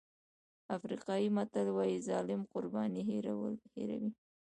افریقایي متل وایي ظالم قرباني هېروي.